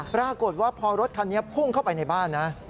ปรากฏว่าพอรถคันนี้พุ่งเข้าไปในบ้านนะ